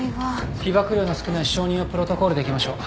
被ばく量の少ない小児用プロトコールでいきましょう。